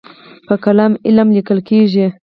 په قلم علم لیکل کېږي.